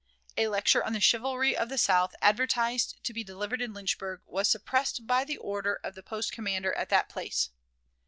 A lecture on the "Chivalry of the South," advertised to be delivered in Lynchburg, was suppressed by the order of the post commander at that place.